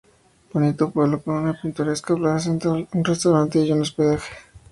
Bonito pueblo con una pintoresca plaza central, un restaurante y un hospedaje.